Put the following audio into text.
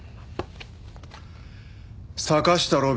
坂下路敏